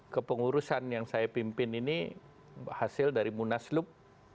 kepengurusan yang saya pimpin ini hasil dari munaslup dua ribu tujuh belas